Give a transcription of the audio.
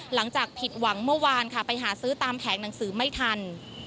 หลังจากผิดหวังเมื่อวานค่ะไปหาซื้อตามแผงหนังสือไม่ทัน